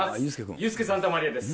ユースケ・サンタマリアです。